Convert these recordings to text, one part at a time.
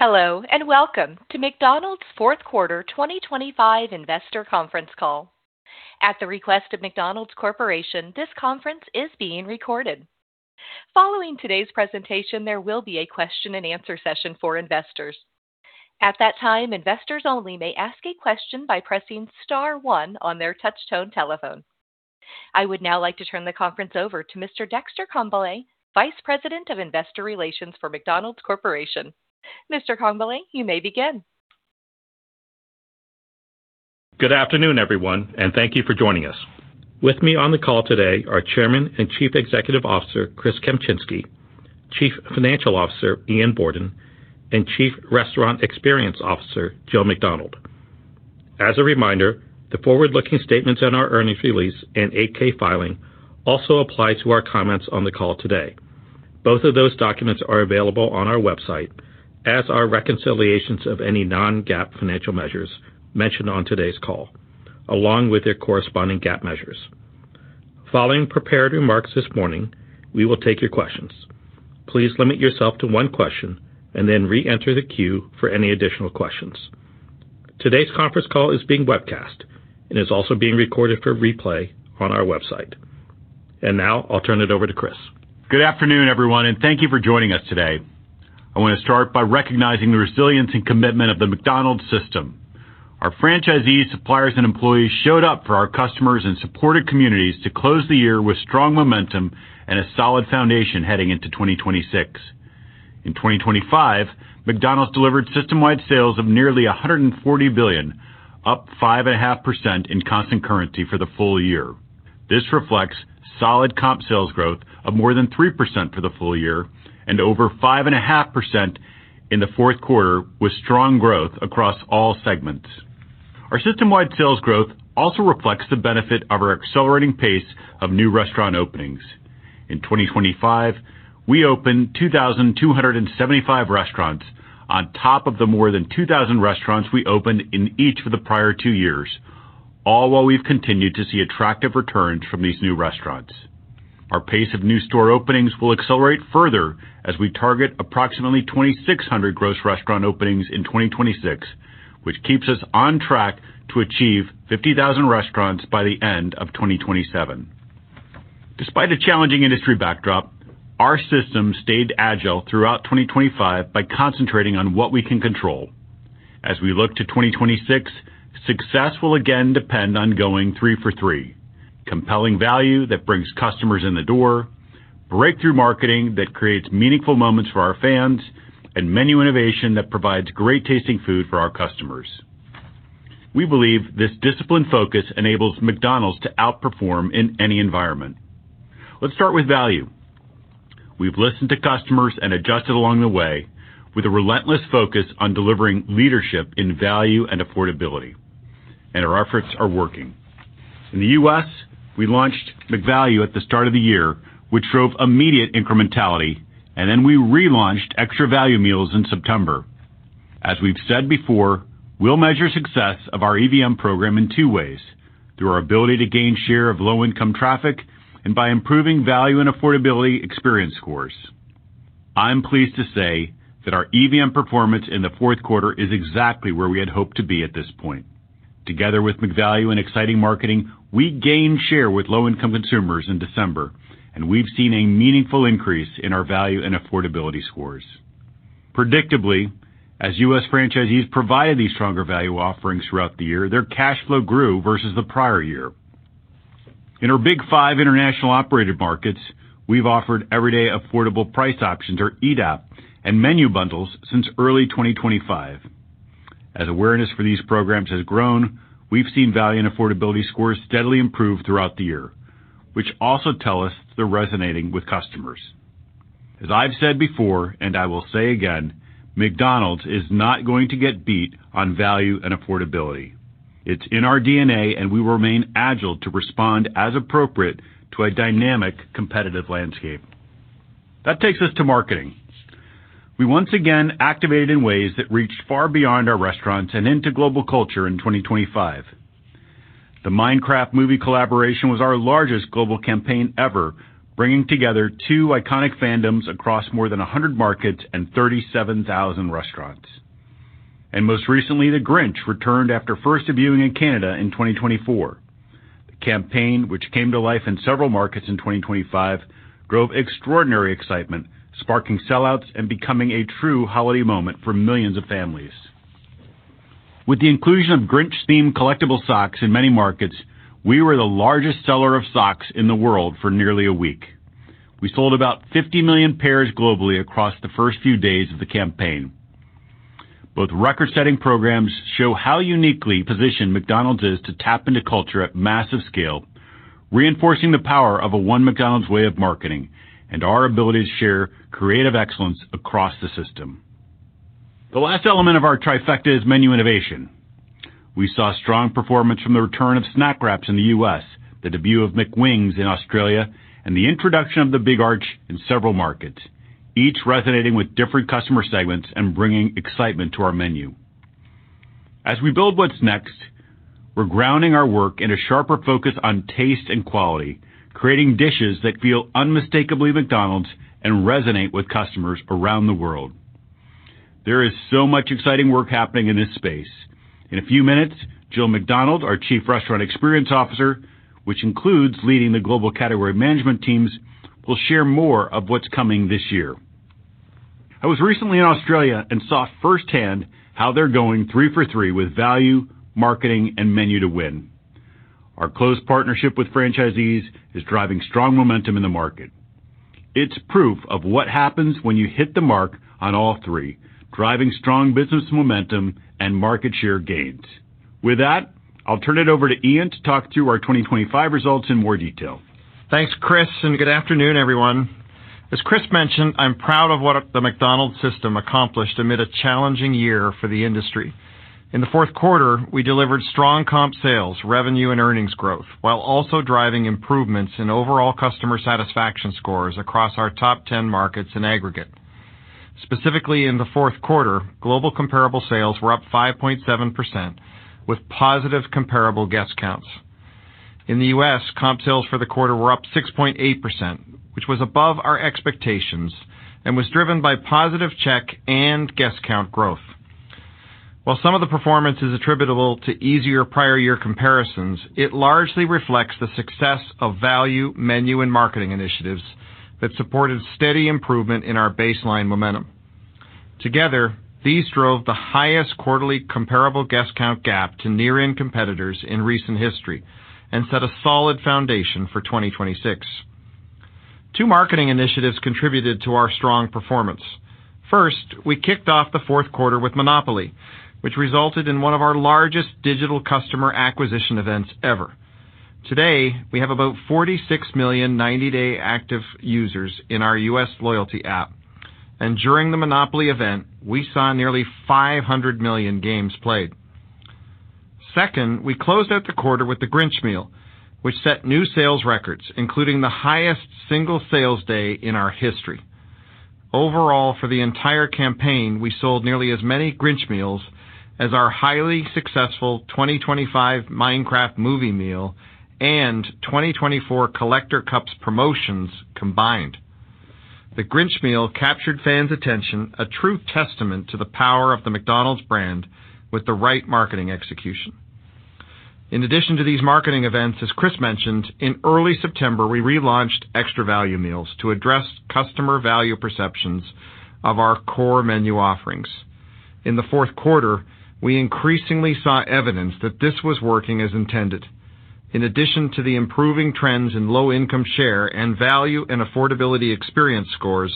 Hello, and welcome to McDonald's fourth quarter 2025 investor conference call. At the request of McDonald's Corporation, this conference is being recorded. Following today's presentation, there will be a question and answer session for investors. At that time, investors only may ask a question by pressing star one on their touchtone telephone. I would now like to turn the conference over to Mr. Dexter Congbalay, Vice President of Investor Relations for McDonald's Corporation. Mr. Congbalay, you may begin. Good afternoon, everyone, and thank you for joining us. With me on the call today are Chairman and Chief Executive Officer, Chris Kempczinski, Chief Financial Officer, Ian Borden, and Chief Restaurant Experience Officer, Jill McDonald. As a reminder, the forward-looking statements in our earnings release and 8-K filing also apply to our comments on the call today. Both of those documents are available on our website, as are reconciliations of any non-GAAP financial measures mentioned on today's call, along with their corresponding GAAP measures. Following prepared remarks this morning, we will take your questions. Please limit yourself to one question and then reenter the queue for any additional questions. Today's conference call is being webcast and is also being recorded for replay on our website. Now I'll turn it over to Chris. Good afternoon, everyone, and thank you for joining us today. I want to start by recognizing the resilience and commitment of the McDonald's system. Our franchisees, suppliers, and employees showed up for our customers and supported communities to close the year with strong momentum and a solid foundation heading into 2026. In 2025, McDonald's delivered system-wide sales of nearly $140 billion, up 5.5% in constant currency for the full year. This reflects solid comp sales growth of more than 3% for the full year and over 5.5% in the fourth quarter, with strong growth across all segments. Our system-wide sales growth also reflects the benefit of our accelerating pace of new restaurant openings. In 2025, we opened 2,275 restaurants on top of the more than 2,000 restaurants we opened in each of the prior two years, all while we've continued to see attractive returns from these new restaurants. Our pace of new store openings will accelerate further as we target approximately 2,600 gross restaurant openings in 2026, which keeps us on track to achieve 50,000 restaurants by the end of 2027. Despite a challenging industry backdrop, our system stayed agile throughout 2025 by concentrating on what we can control. As we look to 2026, success will again depend on going three for three. Compelling value that brings customers in the door, breakthrough marketing that creates meaningful moments for our fans, and menu innovation that provides great-tasting food for our customers. We believe this disciplined focus enables McDonald's to outperform in any environment. Let's start with value. We've listened to customers and adjusted along the way with a relentless focus on delivering leadership in value and affordability, and our efforts are working. In the U.S., we launched McValue at the start of the year, which drove immediate incrementality, and then we relaunched Extra Value Meals in September. As we've said before, we'll measure success of our EVM program in two ways: through our ability to gain share of low-income traffic and by improving value and affordability experience scores. I'm pleased to say that our EVM performance in the fourth quarter is exactly where we had hoped to be at this point. Together with McValue and exciting marketing, we gained share with low-income consumers in December, and we've seen a meaningful increase in our value and affordability scores. Predictably, as U.S. franchisees provided these stronger value offerings throughout the year, their cash flow grew versus the prior year. In our big five international operated markets, we've offered everyday affordable price options, or EDAP, and menu bundles since early 2025. As awareness for these programs has grown, we've seen value and affordability scores steadily improve throughout the year, which also tell us they're resonating with customers. As I've said before, and I will say again, McDonald's is not going to get beat on value and affordability. It's in our DNA, and we will remain agile to respond as appropriate to a dynamic, competitive landscape. That takes us to marketing. We once again activated in ways that reached far beyond our restaurants and into global culture in 2025. The Minecraft movie collaboration was our largest global campaign ever, bringing together two iconic fandoms across more than 100 markets and 37,000 restaurants. Most recently, the Grinch returned after first debuting in Canada in 2024. The campaign, which came to life in several markets in 2025, drove extraordinary excitement, sparking sellouts and becoming a true holiday moment for millions of families. With the inclusion of Grinch-themed collectible socks in many markets, we were the largest seller of socks in the world for nearly a week. We sold about 50 million pairs globally across the first few days of the campaign. Both record-setting programs show how uniquely positioned McDonald's is to tap into culture at massive scale, reinforcing the power of a One McDonald's way of marketing and our ability to share creative excellence across the system. The last element of our trifecta is menu innovation. We saw strong performance from the return of Snack Wraps in the U.S., the debut of McWings in Australia, and the introduction of the Big Arch in several markets, each resonating with different customer segments and bringing excitement to our menu. As we build what's next, we're grounding our work in a sharper focus on taste and quality, creating dishes that feel unmistakably McDonald's and resonate with customers around the world. There is so much exciting work happening in this space. In a few minutes, Jill McDonald, our Chief Restaurant Experience Officer, which includes leading the global category management teams, will share more of what's coming this year. I was recently in Australia and saw firsthand how they're going three for three with value, marketing, and menu to win. Our close partnership with franchisees is driving strong momentum in the market. It's proof of what happens when you hit the mark on all three, driving strong business momentum and market share gains. With that, I'll turn it over to Ian to talk through our 2025 results in more detail. Thanks, Chris, and good afternoon, everyone. As Chris mentioned, I'm proud of what the McDonald's system accomplished amid a challenging year for the industry. In the fourth quarter, we delivered strong comp sales, revenue, and earnings growth, while also driving improvements in overall customer satisfaction scores across our top 10 markets in aggregate. Specifically, in the fourth quarter, global comparable sales were up 5.7%, with positive comparable guest counts. In the U.S., comp sales for the quarter were up 6.8%, which was above our expectations and was driven by positive check and guest count growth. While some of the performance is attributable to easier prior year comparisons, it largely reflects the success of value, menu and marketing initiatives that supported steady improvement in our baseline momentum. Together, these drove the highest quarterly comparable guest count gap to near-end competitors in recent history and set a solid foundation for 2026. Two marketing initiatives contributed to our strong performance. First, we kicked off the fourth quarter with Monopoly, which resulted in one of our largest digital customer acquisition events ever. Today, we have about 46 million 90-day active users in our U.S. loyalty app, and during the Monopoly event, we saw nearly 500 million games played. Second, we closed out the quarter with the Grinch Meal, which set new sales records, including the highest single sales day in our history. Overall, for the entire campaign, we sold nearly as many Grinch Meals as our highly successful 2025 Minecraft Movie Meal and 2024 Collector Cups promotions combined. The Grinch Meal captured fans' attention, a true testament to the power of the McDonald's brand with the right marketing execution. In addition to these marketing events, as Chris mentioned, in early September, we relaunched Extra Value Meals to address customer value perceptions of our core menu offerings. In the fourth quarter, we increasingly saw evidence that this was working as intended. In addition to the improving trends in low-income share and value and affordability experience scores,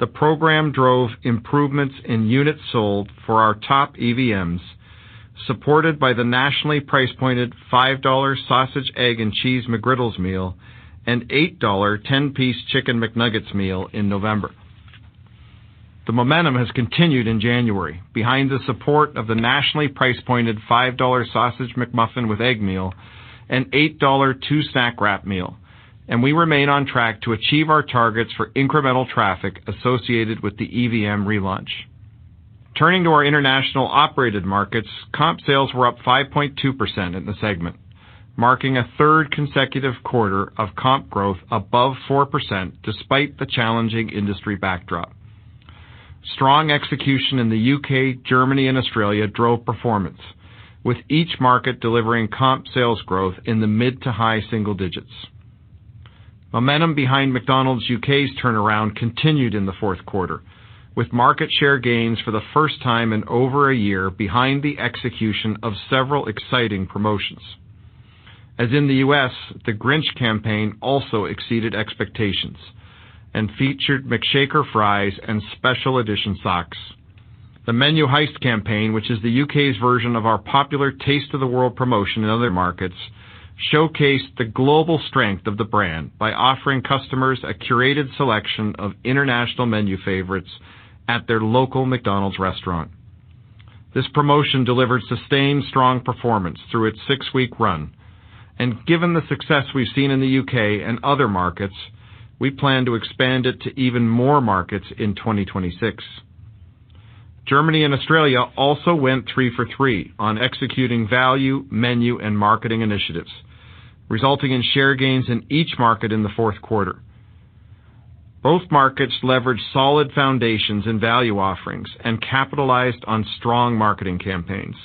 the program drove improvements in units sold for our top EVMs, supported by the nationally price-pointed $5 Sausage, Egg, and Cheese McGriddles Meal and $8 10-piece Chicken McNuggets meal in November. The momentum has continued in January behind the support of the nationally price-pointed $5 Sausage McMuffin with Egg Meal and $8 Two-Stack Wrap Meal, and we remain on track to achieve our targets for incremental traffic associated with the EVM relaunch. Turning to our international operated markets, comp sales were up 5.2% in the segment, marking a third consecutive quarter of comp growth above 4%, despite the challenging industry backdrop. Strong execution in the U.K., Germany, and Australia drove performance, with each market delivering comp sales growth in the mid to high single digits. Momentum behind McDonald's U.K.'s turnaround continued in the fourth quarter, with market share gains for the first time in over a year behind the execution of several exciting promotions. As in the U.S., the Grinch campaign also exceeded expectations and featured McShaker Fries and special edition socks. The Menu Heist campaign, which is the U.K.'s version of our popular Taste of the World promotion in other markets, showcased the global strength of the brand by offering customers a curated selection of international menu favorites at their local McDonald's restaurant. This promotion delivered sustained strong performance through its six-week run, and given the success we've seen in the U.K. and other markets, we plan to expand it to even more markets in 2026. Germany and Australia also went three for three on executing value, menu, and marketing initiatives, resulting in share gains in each market in the fourth quarter. Both markets leveraged solid foundations and value offerings and capitalized on strong marketing campaigns.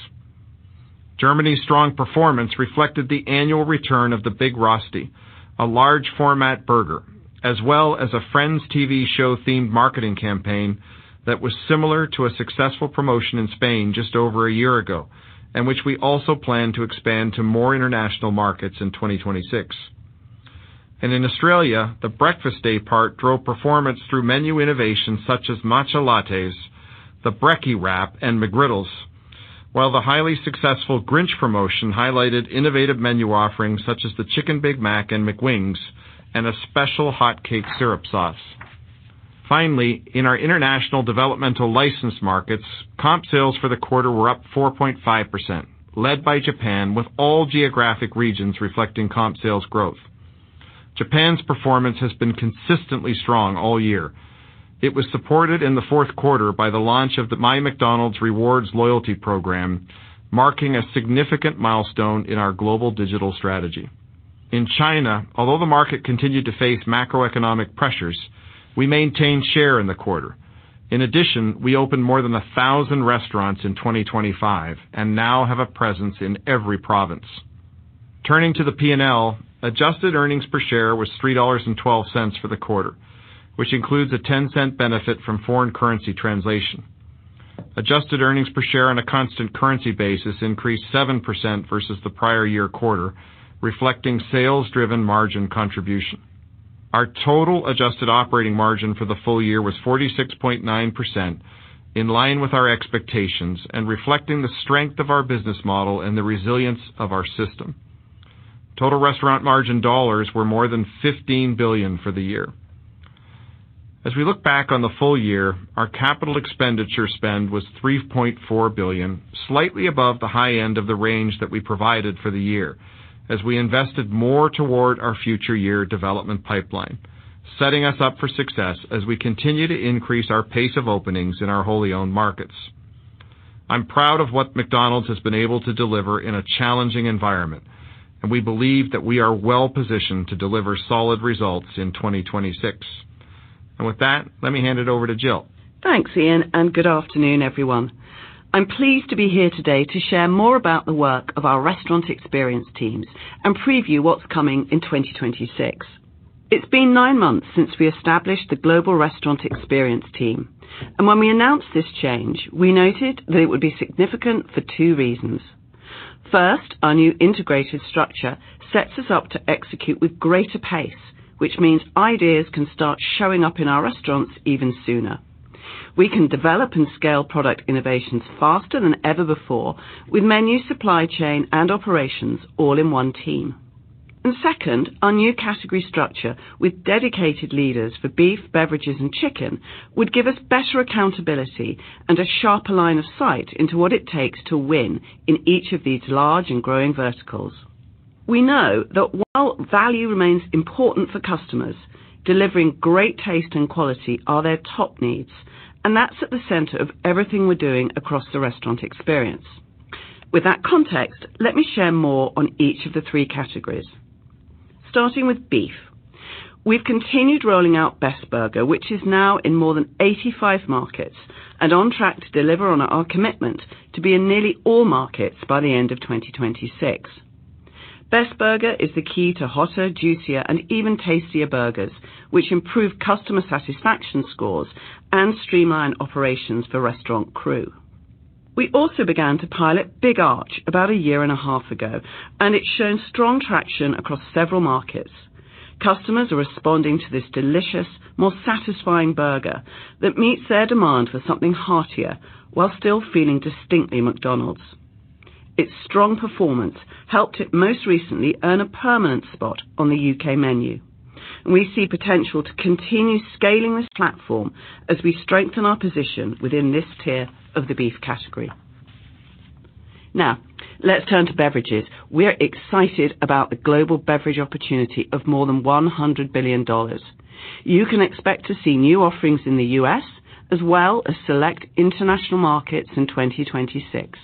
Germany's strong performance reflected the annual return of the Big Rösti, a large format burger, as well as a Friends TV show themed marketing campaign that was similar to a successful promotion in Spain just over a year ago, and which we also plan to expand to more international markets in 2026. In Australia, the breakfast daypart drove performance through menu innovations such as Matcha Lattes, the Brekkie Wrap, and McGriddles, while the highly successful Grinch promotion highlighted innovative menu offerings such as the Chicken Big Mac and McWings, and a special hotcake syrup sauce. Finally, in our international developmental licensed markets, comp sales for the quarter were up 4.5%, led by Japan, with all geographic regions reflecting comp sales growth... Japan's performance has been consistently strong all year. It was supported in the fourth quarter by the launch of the My McDonald's Rewards loyalty program, marking a significant milestone in our global digital strategy. In China, although the market continued to face macroeconomic pressures, we maintained share in the quarter. In addition, we opened more than 1,000 restaurants in 2025 and now have a presence in every province. Turning to the P&L, adjusted earnings per share was $3.12 for the quarter, which includes a $0.10 benefit from foreign currency translation. Adjusted earnings per share on a constant currency basis increased 7% versus the prior year quarter, reflecting sales-driven margin contribution. Our total adjusted operating margin for the full year was 46.9%, in line with our expectations and reflecting the strength of our business model and the resilience of our system. Total restaurant margin dollars were more than $15 billion for the year. As we look back on the full year, our capital expenditure spend was $3.4 billion, slightly above the high end of the range that we provided for the year, as we invested more toward our future year development pipeline, setting us up for success as we continue to increase our pace of openings in our wholly owned markets. I'm proud of what McDonald's has been able to deliver in a challenging environment, and we believe that we are well positioned to deliver solid results in 2026. With that, let me hand it over to Jill. Thanks, Ian, and good afternoon, everyone. I'm pleased to be here today to share more about the work of our restaurant experience teams and preview what's coming in 2026. It's been 9 months since we established the Global Restaurant Experience team, and when we announced this change, we noted that it would be significant for 2 reasons. First, our new integrated structure sets us up to execute with greater pace, which means ideas can start showing up in our restaurants even sooner. We can develop and scale product innovations faster than ever before, with menu, supply chain, and operations all in one team. And second, our new category structure, with dedicated leaders for beef, beverages, and chicken, would give us better accountability and a sharper line of sight into what it takes to win in each of these large and growing verticals. We know that while value remains important for customers, delivering great taste and quality are their top needs, and that's at the center of everything we're doing across the restaurant experience. With that context, let me share more on each of the three categories. Starting with beef. We've continued rolling out Best Burger, which is now in more than 85 markets and on track to deliver on our commitment to be in nearly all markets by the end of 2026. Best Burger is the key to hotter, juicier, and even tastier burgers, which improve customer satisfaction scores and streamline operations for restaurant crew. We also began to pilot Big Arch about a year and a half ago, and it's shown strong traction across several markets. Customers are responding to this delicious, more satisfying burger that meets their demand for something heartier while still feeling distinctly McDonald's. Its strong performance helped it most recently earn a permanent spot on the U.K. menu. We see potential to continue scaling this platform as we strengthen our position within this tier of the beef category. Now, let's turn to beverages. We're excited about the global beverage opportunity of more than $100 billion. You can expect to see new offerings in the U.S. as well as select international markets in 2026.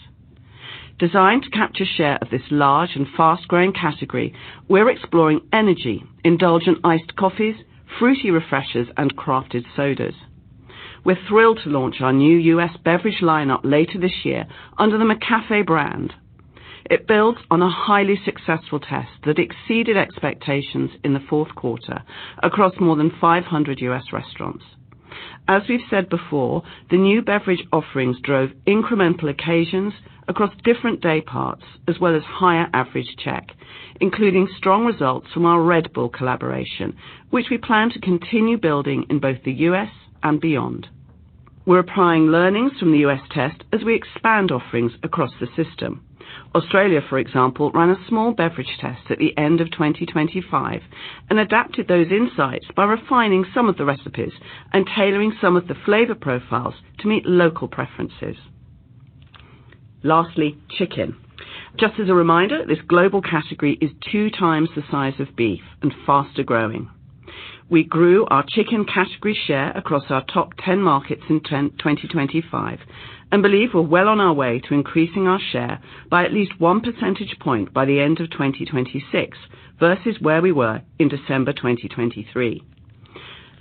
Designed to capture share of this large and fast-growing category, we're exploring energy, indulgent iced coffees, fruity refreshers, and crafted sodas. We're thrilled to launch our new U.S. beverage lineup later this year under the McCafé brand. It builds on a highly successful test that exceeded expectations in the fourth quarter across more than 500 U.S. restaurants. As we've said before, the new beverage offerings drove incremental occasions across different day parts, as well as higher average check, including strong results from our Red Bull collaboration, which we plan to continue building in both the U.S. and beyond. We're applying learnings from the U.S. test as we expand offerings across the system. Australia, for example, ran a small beverage test at the end of 2025 and adapted those insights by refining some of the recipes and tailoring some of the flavor profiles to meet local preferences. Lastly, chicken. Just as a reminder, this global category is 2 times the size of beef and faster-growing. We grew our chicken category share across our top 10 markets in 2025 and believe we're well on our way to increasing our share by at least 1 percentage point by the end of 2026 versus where we were in December 2023.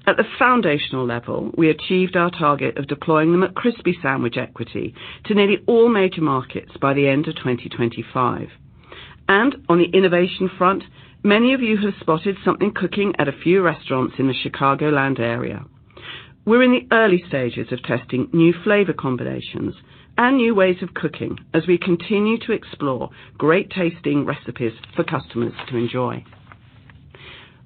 At the foundational level, we achieved our target of deploying the McCrispy sandwich equity to nearly all major markets by the end of 2025. On the innovation front, many of you have spotted something cooking at a few restaurants in the Chicagoland area. We're in the early stages of testing new flavor combinations and new ways of cooking as we continue to explore great-tasting recipes for customers to enjoy.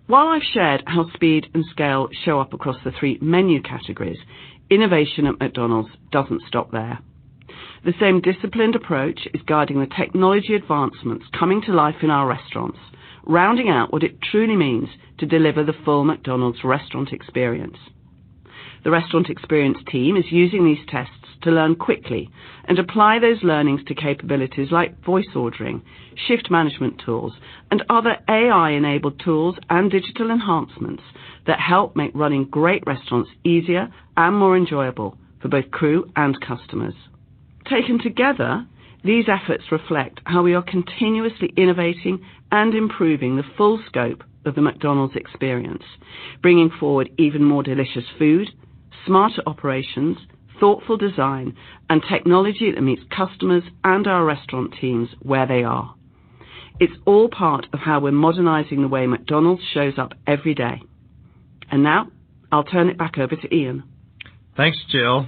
While I've shared how speed and scale show up across the three menu categories, innovation at McDonald's doesn't stop there. The same disciplined approach is guiding the technology advancements coming to life in our restaurants, rounding out what it truly means to deliver the full McDonald's restaurant experience. The restaurant experience team is using these tests to learn quickly and apply those learnings to capabilities like voice ordering, shift management tools, and other AI-enabled tools and digital enhancements that help make running great restaurants easier and more enjoyable for both crew and customers. Taken together, these efforts reflect how we are continuously innovating and improving the full scope of the McDonald's experience, bringing forward even more delicious food, smarter operations, thoughtful design, and technology that meets customers and our restaurant teams where they are. It's all part of how we're modernizing the way McDonald's shows up every day. And now I'll turn it back over to Ian. Thanks, Jill.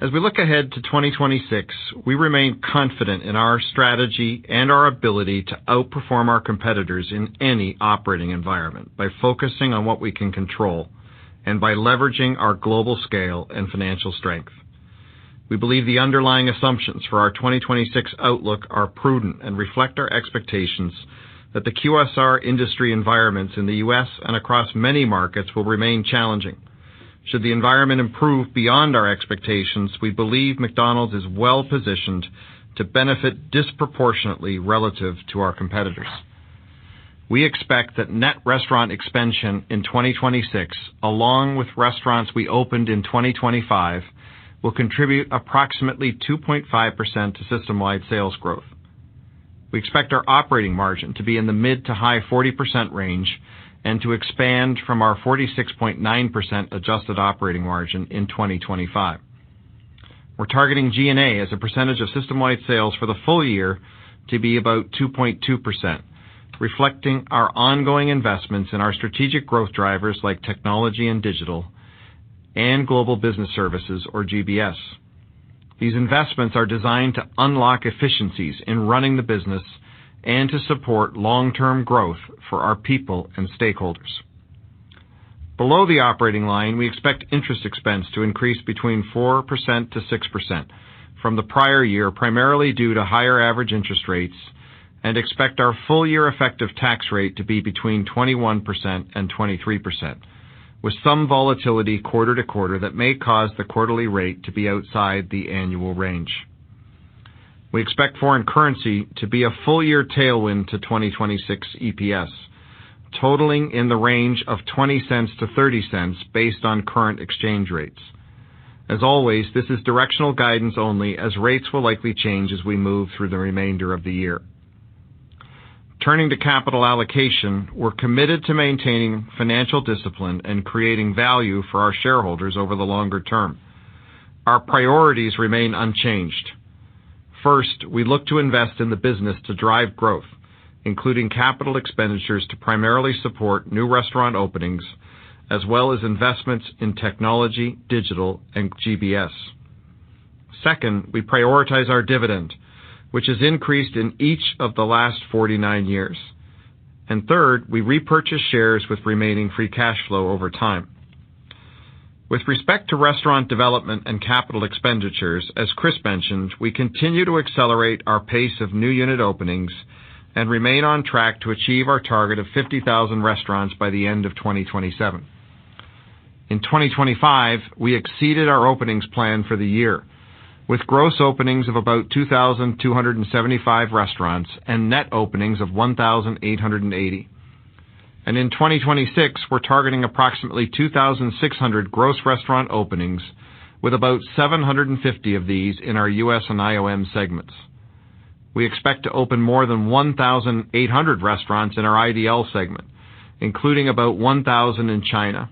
As we look ahead to 2026, we remain confident in our strategy and our ability to outperform our competitors in any operating environment by focusing on what we can control and by leveraging our global scale and financial strength. We believe the underlying assumptions for our 2026 outlook are prudent and reflect our expectations that the QSR industry environments in the U.S. and across many markets will remain challenging. Should the environment improve beyond our expectations, we believe McDonald's is well positioned to benefit disproportionately relative to our competitors. We expect that net restaurant expansion in 2026, along with restaurants we opened in 2025, will contribute approximately 2.5% to system-wide sales growth. We expect our operating margin to be in the mid- to high-40% range and to expand from our 46.9% adjusted operating margin in 2025. We're targeting G&A as a percentage of system-wide sales for the full year to be about 2.2%, reflecting our ongoing investments in our strategic growth drivers, like technology and digital, and global business services or GBS. These investments are designed to unlock efficiencies in running the business and to support long-term growth for our people and stakeholders. Below the operating line, we expect interest expense to increase between 4%-6% from the prior year, primarily due to higher average interest rates, and expect our full year effective tax rate to be between 21% and 23%, with some volatility quarter to quarter that may cause the quarterly rate to be outside the annual range. We expect foreign currency to be a full year tailwind to 2026 EPS, totaling in the range of $0.20-$0.30 based on current exchange rates. As always, this is directional guidance only as rates will likely change as we move through the remainder of the year. Turning to capital allocation, we're committed to maintaining financial discipline and creating value for our shareholders over the longer term. Our priorities remain unchanged. First, we look to invest in the business to drive growth, including capital expenditures, to primarily support new restaurant openings, as well as investments in technology, digital, and GBS. Second, we prioritize our dividend, which has increased in each of the last 49 years. And third, we repurchase shares with remaining free cash flow over time. With respect to restaurant development and capital expenditures, as Chris mentioned, we continue to accelerate our pace of new unit openings and remain on track to achieve our target of 50,000 restaurants by the end of 2027. In 2025, we exceeded our openings plan for the year, with gross openings of about 2,275 restaurants and net openings of 1,880. In 2026, we're targeting approximately 2,600 gross restaurant openings, with about 750 of these in our US and IOM segments. We expect to open more than 1,800 restaurants in our IDL segment, including about 1,000 in China.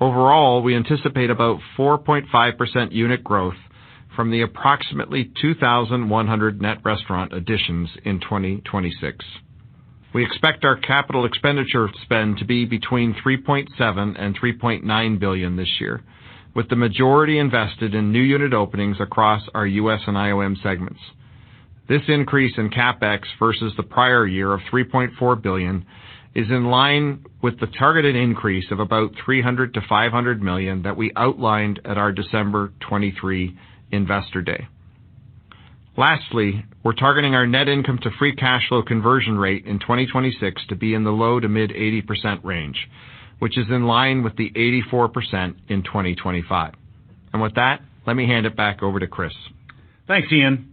Overall, we anticipate about 4.5% unit growth from the approximately 2,100 net restaurant additions in 2026. We expect our capital expenditure spend to be between $3.7 billion-$3.9 billion this year, with the majority invested in new unit openings across our US and IOM segments. This increase in CapEx versus the prior year of $3.4 billion is in line with the targeted increase of about $300 million-$500 million that we outlined at our December 2023 Investor Day. Lastly, we're targeting our net income to free cash flow conversion rate in 2026 to be in the low- to mid-80% range, which is in line with the 84% in 2025. With that, let me hand it back over to Chris. Thanks, Ian.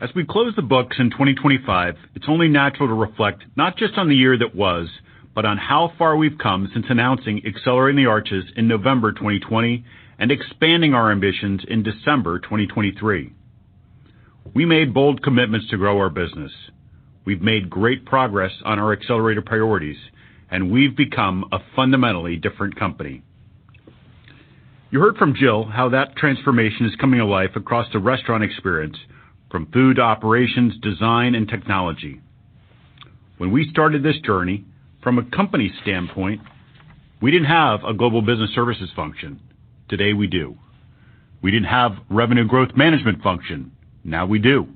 As we close the books in 2025, it's only natural to reflect not just on the year that was, but on how far we've come since announcing Accelerating the Arches in November 2020 and expanding our ambitions in December 2023. We made bold commitments to grow our business. We've made great progress on our accelerator priorities, and we've become a fundamentally different company. You heard from Jill how that transformation is coming alive across the restaurant experience, from food, operations, design, and technology. When we started this journey, from a company standpoint, we didn't have a global business services function. Today, we do. We didn't have revenue growth management function. Now we do.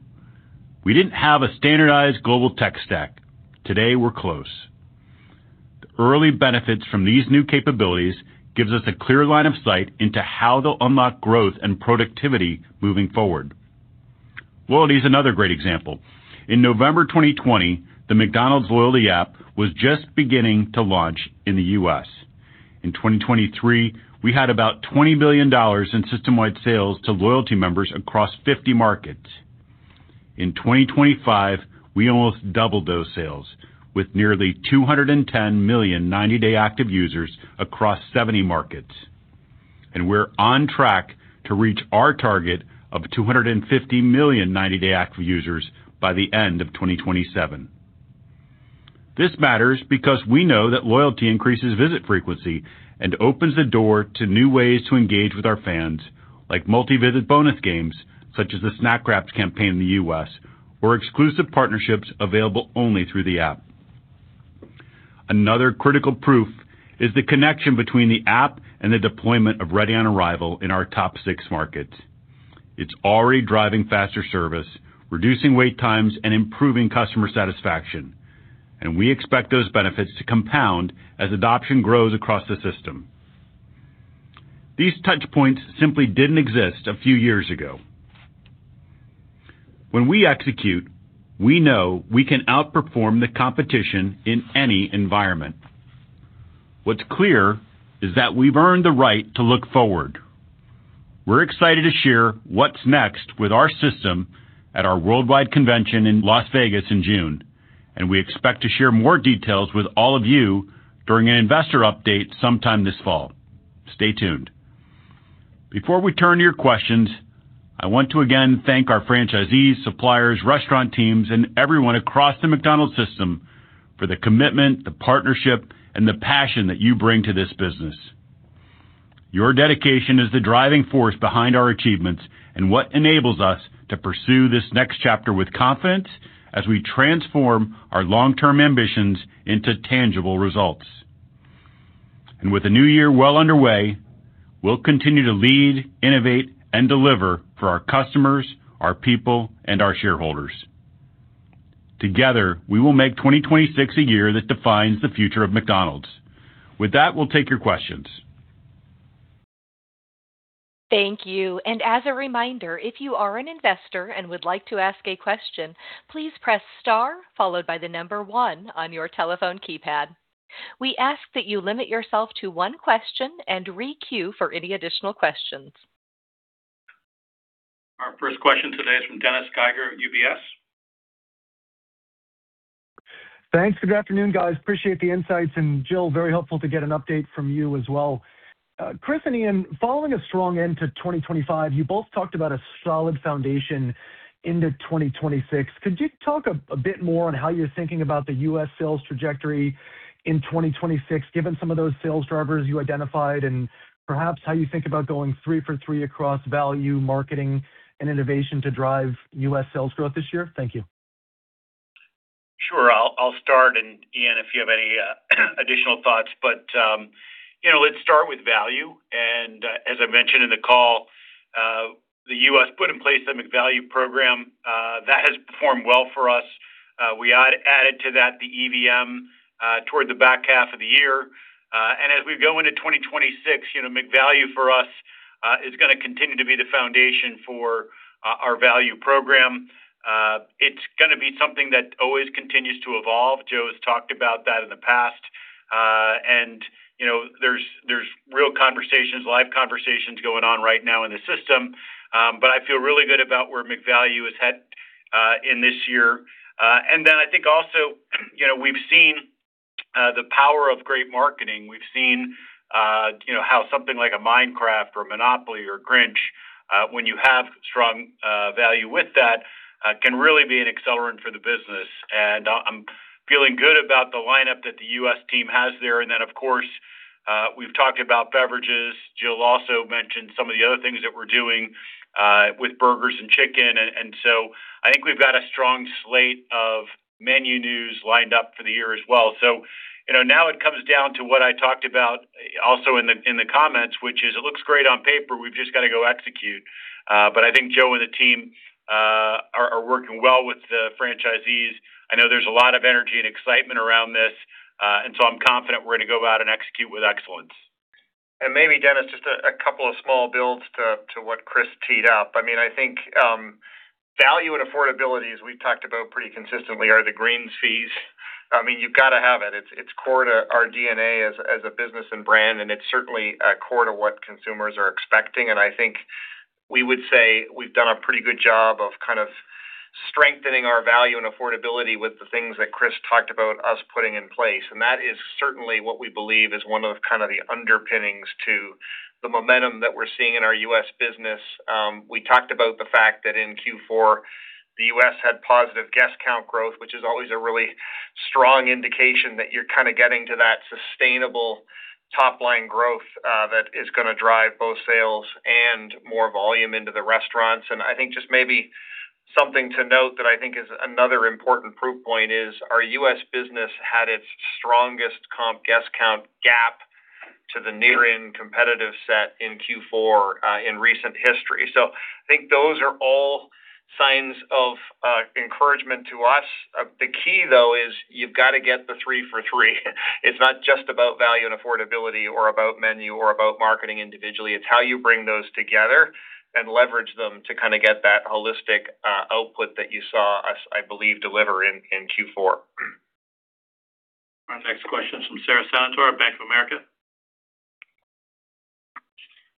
We didn't have a standardized global tech stack. Today, we're close. The early benefits from these new capabilities gives us a clear line of sight into how they'll unlock growth and productivity moving forward. Loyalty is another great example. In November 2020, the McDonald's loyalty app was just beginning to launch in the U.S. In 2023, we had about $20 billion in system-wide sales to loyalty members across 50 markets. In 2025, we almost doubled those sales, with nearly 210 million ninety-day active users across 70 markets, and we're on track to reach our target of 250 million ninety-day active users by the end of 2027. This matters because we know that loyalty increases visit frequency and opens the door to new ways to engage with our fans, like multi-visit bonus games, such as the Snack Wraps campaign in the U.S., or exclusive partnerships available only through the app. Another critical proof is the connection between the app and the deployment of Ready on Arrival in our top six markets. It's already driving faster service, reducing wait times, and improving customer satisfaction, and we expect those benefits to compound as adoption grows across the system. These touch points simply didn't exist a few years ago. When we execute, we know we can outperform the competition in any environment. What's clear is that we've earned the right to look forward. We're excited to share what's next with our system at our worldwide convention in Las Vegas in June, and we expect to share more details with all of you during an investor update sometime this fall. Stay tuned. Before we turn to your questions, I want to again thank our franchisees, suppliers, restaurant teams, and everyone across the McDonald's system for the commitment, the partnership, and the passion that you bring to this business. Your dedication is the driving force behind our achievements and what enables us to pursue this next chapter with confidence as we transform our long-term ambitions into tangible results. With the new year well underway, we'll continue to lead, innovate, and deliver for our customers, our people, and our shareholders. Together, we will make 2026 a year that defines the future of McDonald's. With that, we'll take your questions. Thank you. As a reminder, if you are an investor and would like to ask a question, please press star followed by the number 1 on your telephone keypad. We ask that you limit yourself to one question and re-queue for any additional questions. Our first question today is from Dennis Geiger at UBS. Thanks. Good afternoon, guys. Appreciate the insights, and Jill, very helpful to get an update from you as well. Chris and Ian, following a strong end to 2025, you both talked about a solid foundation into 2026. Could you talk a bit more on how you're thinking about the U.S. sales trajectory in 2026, given some of those sales drivers you identified, and perhaps how you think about going three for three across value, marketing, and innovation to drive U.S. sales growth this year? Thank you. Sure. I'll start, and Ian, if you have any additional thoughts, but you know, let's start with value. As I mentioned in the call, the U.S. put in place the McValue program that has performed well for us. We added to that, the EVM, toward the back half of the year. As we go into 2026, you know, McValue for us is gonna continue to be the foundation for our value program. It's gonna be something that always continues to evolve. Joe has talked about that in the past. And you know, there's real conversations, live conversations going on right now in the system, but I feel really good about where McValue is headed in this year. And then I think also, you know, we've seen the power of great marketing. We've seen, you know, how something like a Minecraft or Monopoly or Grinch, when you have strong value with that, can really be an accelerant for the business. And I'm feeling good about the lineup that the U.S. team has there. And then, of course, we've talked about beverages. Jill also mentioned some of the other things that we're doing with burgers and chicken. And so I think we've got a strong slate of menu news lined up for the year as well. So, you know, now it comes down to what I talked about also in the comments, which is it looks great on paper, we've just got to go execute. But I think Joe and the team are working well with the franchisees. I know there's a lot of energy and excitement around this, and so I'm confident we're going to go out and execute with excellence. And maybe, Dennis, just a couple of small builds to what Chris teed up. I mean, I think value and affordability, as we've talked about pretty consistently, are the greens fees. I mean, you've got to have it. It's core to our DNA as a business and brand, and it's certainly core to what consumers are expecting. And I think we would say we've done a pretty good job of kind of strengthening our value and affordability with the things that Chris talked about us putting in place. And that is certainly what we believe is one of kind of the underpinnings to the momentum that we're seeing in our U.S. business. We talked about the fact that in Q4, the U.S. had positive guest count growth, which is always a really strong indication that you're kind of getting to that sustainable top line growth that is gonna drive both sales and more volume into the restaurants. I think just maybe something to note that I think is another important proof point is our U.S. business had its strongest comp guest count gap to the nearest in competitive set in Q4 in recent history. I think those are all signs of-... encouragement to us. The key, though, is you've got to get the three for three. It's not just about value and affordability, or about menu, or about marketing individually. It's how you bring those together and leverage them to kind of get that holistic output that you saw us, I believe, deliver in Q4. Our next question is from Sara Senatore, Bank of America.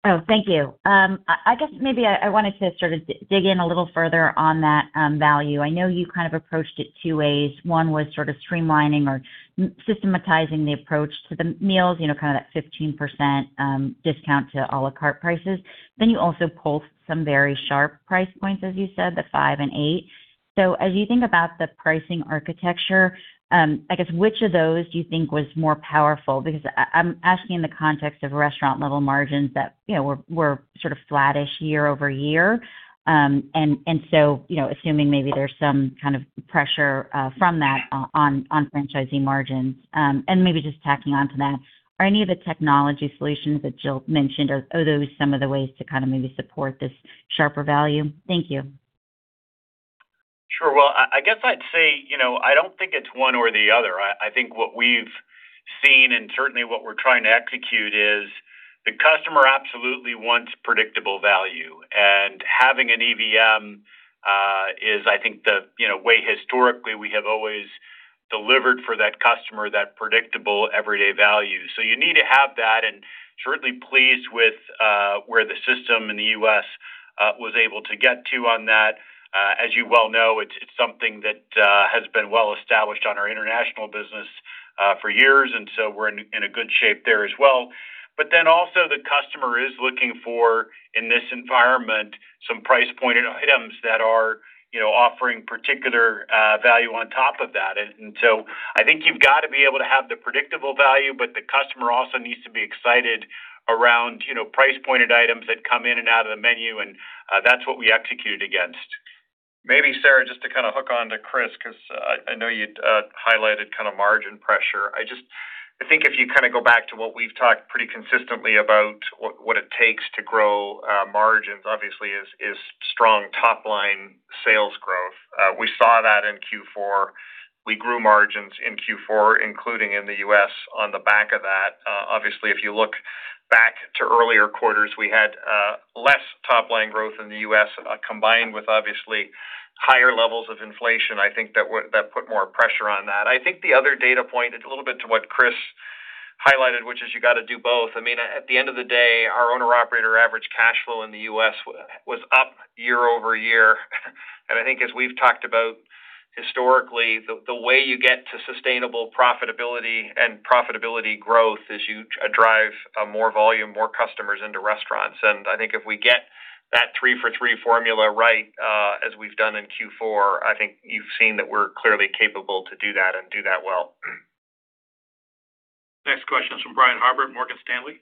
Oh, thank you. I guess maybe I wanted to sort of dig in a little further on that value. I know you kind of approached it two ways. One was sort of streamlining or systematizing the approach to the meals, you know, kind of that 15% discount to à la carte prices. Then you also pulled some very sharp price points, as you said, the $5 and $8. So as you think about the pricing architecture, I guess, which of those do you think was more powerful? Because I'm asking in the context of restaurant-level margins that, you know, were sort of flattish year-over-year. And so, you know, assuming maybe there's some kind of pressure from that on franchising margins. And maybe just tacking on to that, are any of the technology solutions that Jill mentioned, those some of the ways to kind of maybe support this sharper value? Thank you. Sure. Well, I guess I'd say, you know, I don't think it's one or the other. I think what we've seen, and certainly what we're trying to execute, is the customer absolutely wants predictable value, and having an EVM is, I think, the, you know, way historically we have always delivered for that customer, that predictable everyday value. So you need to have that and certainly pleased with where the system in the U.S. was able to get to on that. As you well know, it's something that has been well established on our international business for years, and so we're in a good shape there as well. But then also the customer is looking for, in this environment, some price-pointed items that are, you know, offering particular value on top of that. So I think you've got to be able to have the predictable value, but the customer also needs to be excited around, you know, price-pointed items that come in and out of the menu, and that's what we executed against. Maybe, Sara, just to kind of hook on to Chris, because I know you'd highlighted kind of margin pressure. I just—I think if you kind of go back to what we've talked pretty consistently about what it takes to grow margins, obviously, is strong top-line sales growth. We saw that in Q4. We grew margins in Q4, including in the U.S., on the back of that. Obviously, if you look back to earlier quarters, we had less top-line growth in the U.S., combined with obviously higher levels of inflation. I think that would that put more pressure on that. I think the other data point, it's a little bit to what Chris highlighted, which is you got to do both. I mean, at the end of the day, our owner operator average cash flow in the US was up year-over-year. And I think as we've talked about historically, the way you get to sustainable profitability and profitability growth is you drive more volume, more customers into restaurants. And I think if we get that three for three formula right, as we've done in Q4, I think you've seen that we're clearly capable to do that and do that well. Next question is from Brian Harbour, Morgan Stanley.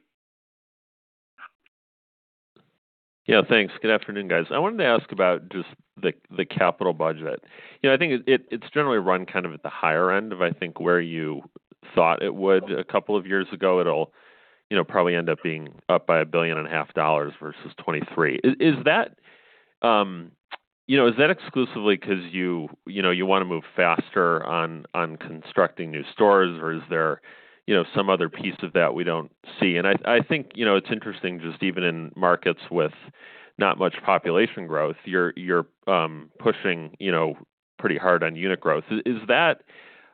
Yeah, thanks. Good afternoon, guys. I wanted to ask about just the, the capital budget. You know, I think it, it's generally run kind of at the higher end of, I think, where you thought it would a couple of years ago. It'll, you know, probably end up being up by $1.5 billion versus 2023. Is, is that, you know, is that exclusively because you, you know, you want to move faster on, on constructing new stores, or is there, you know, some other piece of that we don't see? And I, I think, you know, it's interesting, just even in markets with not much population growth, you're, you're, pushing, you know, pretty hard on unit growth. Is that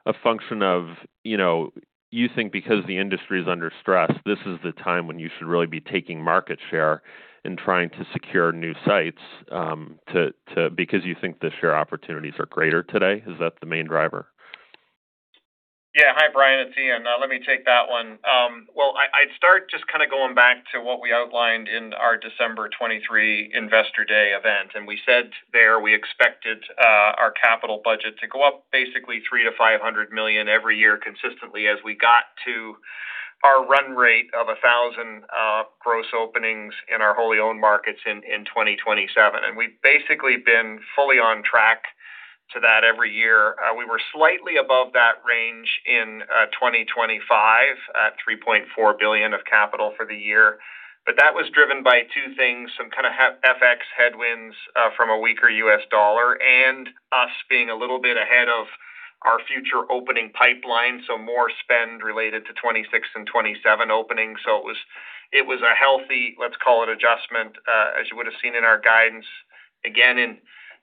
a function of, you know, you think because the industry is under stress, this is the time when you should really be taking market share and trying to secure new sites, to because you think the share opportunities are greater today? Is that the main driver? Yeah. Hi, Brian, it's Ian. Let me take that one. Well, I, I'd start just kind of going back to what we outlined in our December 2023 Investor Day event, and we said there we expected our capital budget to go up basically $300 million-$500 million every year consistently as we got to our run rate of 1,000 gross openings in our wholly owned markets in 2027. And we've basically been fully on track to that every year. We were slightly above that range in 2025, at $3.4 billion of capital for the year. But that was driven by two things: some kind of FX headwinds from a weaker US dollar and us being a little bit ahead of our future opening pipeline, so more spend related to 2026 and 2027 openings. So it was, it was a healthy, let's call it, adjustment. As you would have seen in our guidance, again,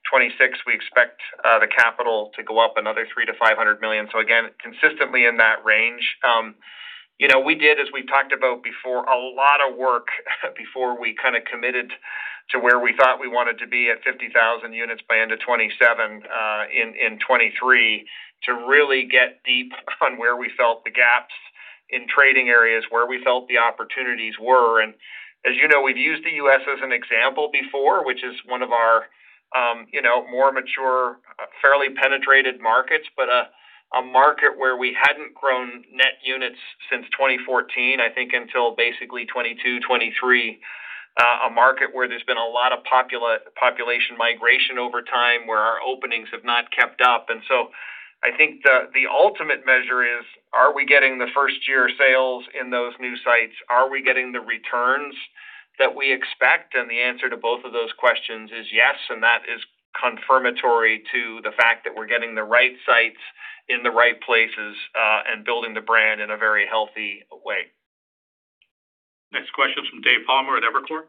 in 2026, we expect the capital to go up another $300 million-$500 million. So again, consistently in that range. You know, we did, as we talked about before, a lot of work before we kind of committed to where we thought we wanted to be at 50,000 units by end of 2027, in 2023, to really get deep on where we felt the gaps in trading areas, where we felt the opportunities were. And as you know, we've used the U.S. as an example before, which is one of our, you know, more mature, fairly penetrated markets, but a market where we hadn't grown net units since 2014, I think, until basically 2022, 2023. A market where there's been a lot of population migration over time, where our openings have not kept up. And so-... I think the ultimate measure is, are we getting the first year sales in those new sites? Are we getting the returns that we expect? And the answer to both of those questions is yes, and that is confirmatory to the fact that we're getting the right sites in the right places, and building the brand in a very healthy way. Next question is from Dave Palmer at Evercore.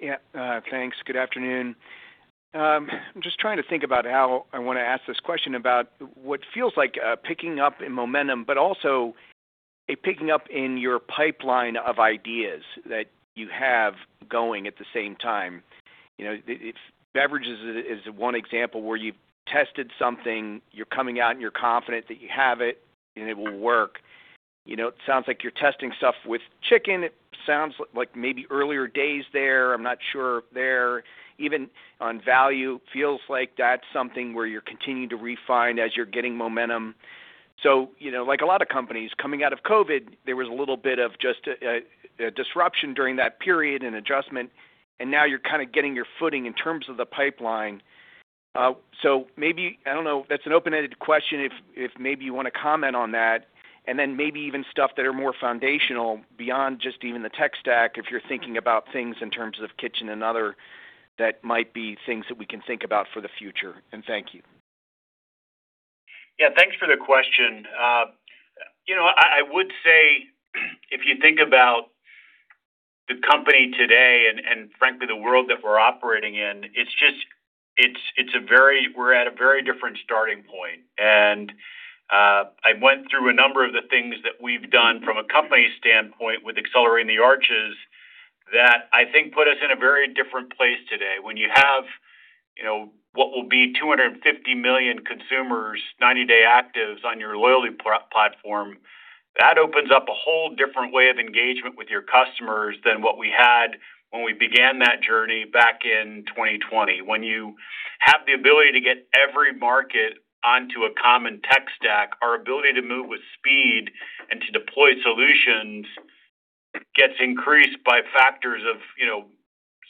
Yeah, thanks. Good afternoon. I'm just trying to think about how I want to ask this question about what feels like picking up in momentum, but also a picking up in your pipeline of ideas that you have going at the same time. You know, beverages is one example where you've tested something, you're coming out and you're confident that you have it and it will work. You know, it sounds like you're testing stuff with chicken. It sounds like maybe earlier days there, I'm not sure there. Even on value, feels like that's something where you're continuing to refine as you're getting momentum. So, you know, like a lot of companies coming out of COVID, there was a little bit of just a disruption during that period and adjustment, and now you're kind of getting your footing in terms of the pipeline. So maybe, I don't know, that's an open-ended question, if maybe you want to comment on that, and then maybe even stuff that are more foundational beyond just even the tech stack, if you're thinking about things in terms of kitchen and other, that might be things that we can think about for the future. Thank you. Yeah, thanks for the question. You know, I, I would say, if you think about the company today and, and frankly, the world that we're operating in, it's just, it's, it's a very, we're at a very different starting point. And, I went through a number of the things that we've done from a company standpoint with Accelerating the Arches, that I think put us in a very different place today. When you have, you know, what will be 250 million consumers, 90-day actives on your loyalty platform, that opens up a whole different way of engagement with your customers than what we had when we began that journey back in 2020. When you have the ability to get every market onto a common tech stack, our ability to move with speed and to deploy solutions gets increased by factors of, you know,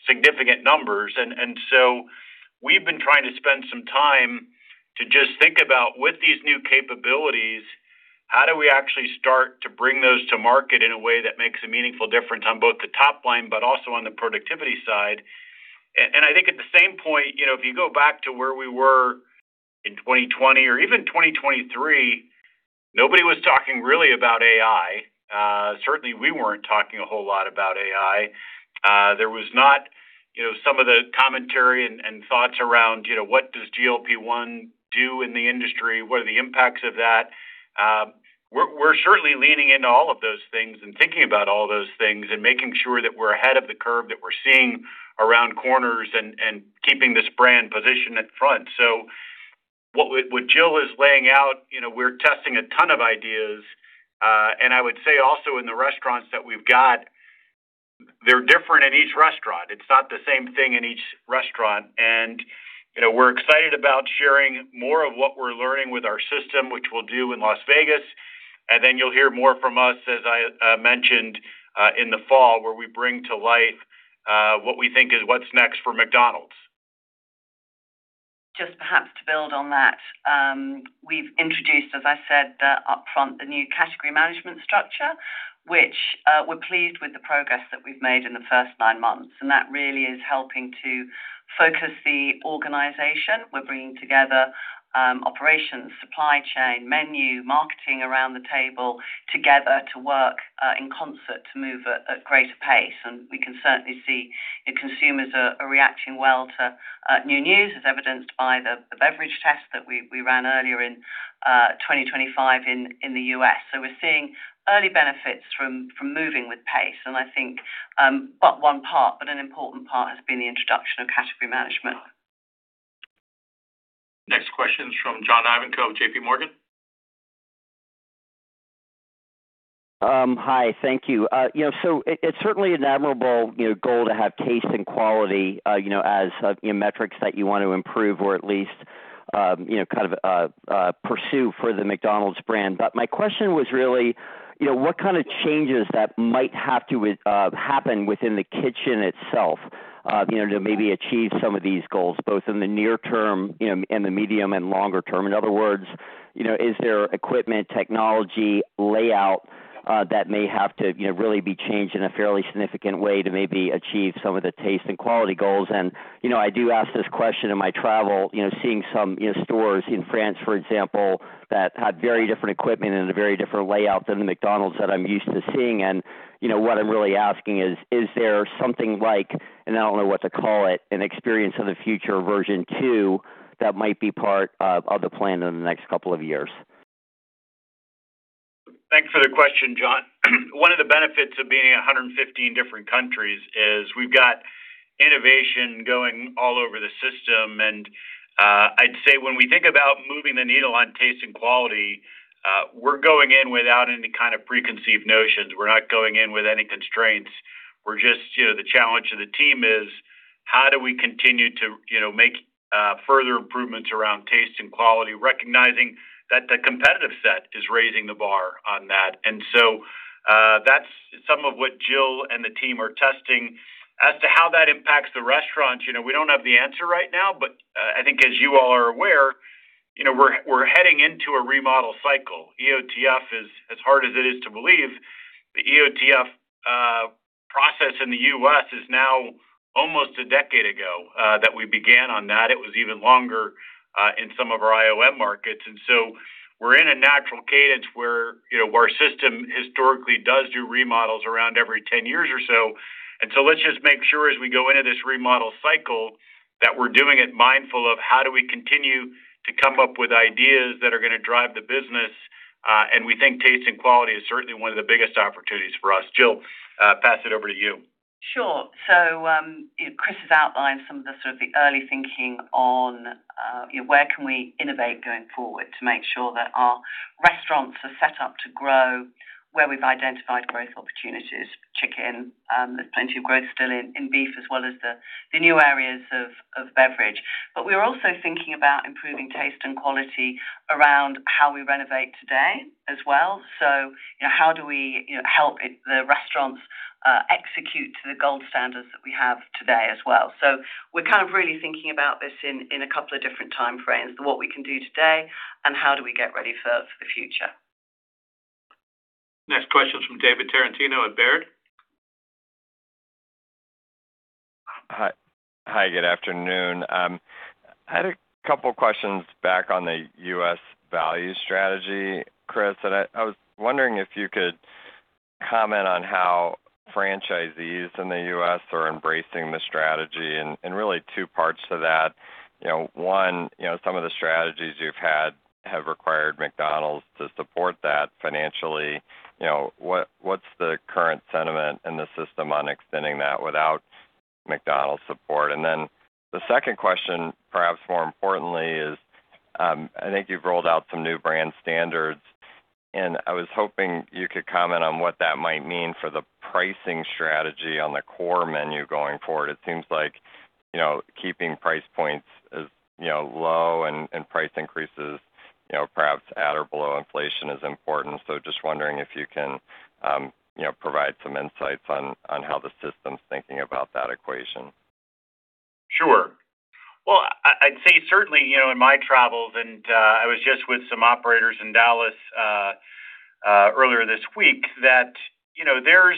significant numbers. And, and so we've been trying to spend some time to just think about, with these new capabilities, how do we actually start to bring those to market in a way that makes a meaningful difference on both the top line, but also on the productivity side? And, and I think at the same point, you know, if you go back to where we were in 2020 or even 2023, nobody was talking really about AI. Certainly, we weren't talking a whole lot about AI. There was not, you know, some of the commentary and, and thoughts around, you know, what does GLP-1 do in the industry? What are the impacts of that? We're, we're certainly leaning into all of those things and thinking about all those things and making sure that we're ahead of the curve, that we're seeing around corners and keeping this brand positioned at front. So what Jill is laying out, you know, we're testing a ton of ideas, and I would say also in the restaurants that we've got, they're different at each restaurant. It's not the same thing in each restaurant. And, you know, we're excited about sharing more of what we're learning with our system, which we'll do in Las Vegas. And then you'll hear more from us, as I mentioned, in the fall, where we bring to life what we think is what's next for McDonald's. Just perhaps to build on that, we've introduced, as I said, upfront, the new category management structure, which, we're pleased with the progress that we've made in the first nine months, and that really is helping to focus the organization. We're bringing together, operations, supply chain, menu, marketing around the table together to work, in concert to move at greater pace. We can certainly see consumers are reacting well to new news, as evidenced by the beverage test that we ran earlier in 2025 in the U.S. We're seeing early benefits from moving with pace, and I think, but one part, but an important part, has been the introduction of category management. Next question is from John Ivankoe of JP Morgan. Hi, thank you. You know, so it, it's certainly an admirable, you know, goal to have taste and quality, you know, as metrics that you want to improve or at least, you know, kind of pursue for the McDonald's brand. But my question was really, you know, what kind of changes that might have to happen within the kitchen itself, you know, to maybe achieve some of these goals, both in the near term, you know, and the medium and longer term? In other words, you know, is there equipment, technology, layout that may have to, you know, really be changed in a fairly significant way to maybe achieve some of the taste and quality goals? You know, I do ask this question in my travel, you know, seeing some, you know, stores in France, for example, that had very different equipment and a very different layout than the McDonald's that I'm used to seeing. You know, what I'm really asking is, is there something like, and I don't know what to call it, an experience of the future version two, that might be part of the plan in the next couple of years? Thanks for the question, John. One of the benefits of being in 150 different countries is we've got innovation going all over the system, and I'd say when we think about moving the needle on taste and quality, we're going in without any kind of preconceived notions. We're not going in with any constraints. We're just, you know, the challenge to the team is: how do we continue to, you know, make further improvements around taste and quality, recognizing that the competitive set is raising the bar on that. And so, that's some of what Jill and the team are testing. As to how that impacts the restaurant, you know, we don't have the answer right now, but I think as you all are aware, you know, we're heading into a remodel cycle. EOTF is, as hard as it is to believe, the EOTF process in the U.S. is now almost a decade ago that we began on that. It was even longer in some of our IOM markets. And so we're in a natural cadence where, you know, our system historically does do remodels around every 10 years or so. And so let's just make sure as we go into this remodel cycle, that we're doing it mindful of how do we continue to come up with ideas that are gonna drive the business, and we think taste and quality is certainly one of the biggest opportunities for us. Jill, pass it over to you. Sure. So, Chris has outlined some of the sort of the early thinking on, you know, where can we innovate going forward to make sure that our restaurants are set up to grow where we've identified growth opportunities, chicken, there's plenty of growth still in, in beef as well as the, the new areas of, of beverage. But we're also thinking about improving taste and quality around how we renovate today as well. So, you know, how do we, you know, help the restaurants execute to the gold standards that we have today as well? So we're kind of really thinking about this in, in a couple of different time frames. What we can do today and how do we get ready for, for the future. Next question is from David Tarantino at Baird. Hi, hi, good afternoon. I had a couple questions back on the U.S. value strategy, Chris, and I was wondering if you could comment on how franchisees in the U.S. are embracing the strategy, and really two parts to that. You know, one, you know, some of the strategies you've had have required McDonald's to support that financially. You know, what's the current sentiment in the system on extending that without McDonald's support? And then the second question, perhaps more importantly, is I think you've rolled out some new brand standards, and I was hoping you could comment on what that might mean for the pricing strategy on the core menu going forward. It seems like, you know, keeping price points as you know low and price increases, you know, perhaps at or below inflation is important. Just wondering if you can, you know, provide some insights on, on how the system's thinking about that equation. Sure. Well, I, I'd say certainly, you know, in my travels, and, I was just with some operators in Dallas, earlier this week, that, you know, there's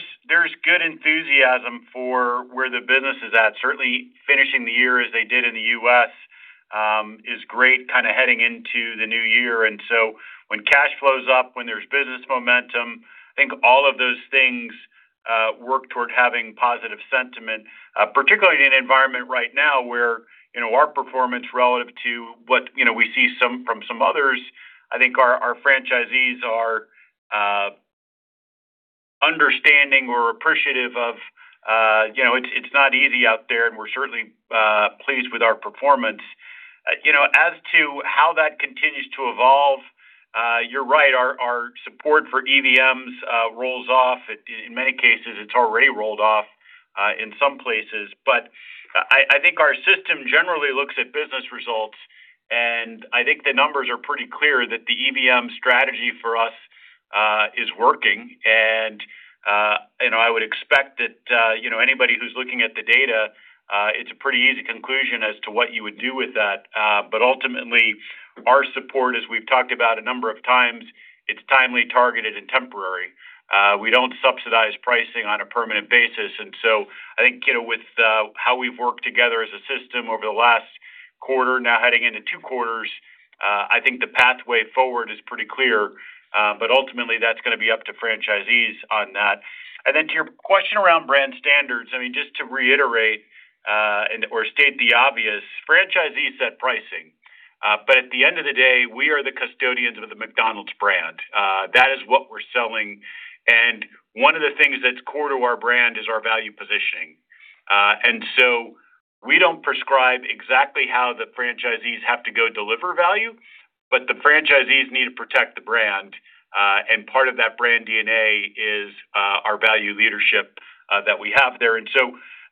good enthusiasm for where the business is at. Certainly, finishing the year as they did in the U.S., is great, kind of heading into the new year. And so when cash flows up, when there's business momentum, I think all of those things, work toward having positive sentiment, particularly in an environment right now where, you know, our performance relative to what, you know, we see some from some others, I think our franchisees are, understanding or appreciative of, you know, it's not easy out there, and we're certainly pleased with our performance. You know, as to how that continues to evolve, you're right, our support for EVMs rolls off. In many cases, it's already rolled off in some places. But I think our system generally looks at business results, and I think the numbers are pretty clear that the EVM strategy for us is working. And you know, I would expect that you know, anybody who's looking at the data, it's a pretty easy conclusion as to what you would do with that. But ultimately, our support, as we've talked about a number of times, it's timely, targeted, and temporary. We don't subsidize pricing on a permanent basis, and so I think you know, with how we've worked together as a system over the last quarter, now heading into two quarters, I think the pathway forward is pretty clear. But ultimately, that's gonna be up to franchisees on that. And then to your question around brand standards, I mean, just to reiterate, or state the obvious, franchisees set pricing. But at the end of the day, we are the custodians of the McDonald's brand. That is what we're selling, and one of the things that's core to our brand is our value positioning. And so we don't prescribe exactly how the franchisees have to go deliver value, but the franchisees need to protect the brand, and part of that brand DNA is our value leadership that we have there. And